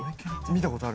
見たことある。